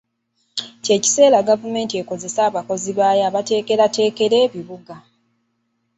Kye kiseera gavumenti ekozese abakozi baayo abateekerateekera ebibuga.